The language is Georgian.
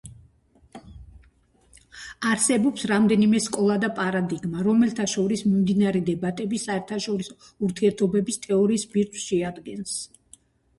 არსებობს რამდენიმე სკოლა და პარადიგმა, რომელთა შორის მიმდინარე დებატები საერთაშორისო ურთიერთობების თეორიის ბირთვს შეადგენს.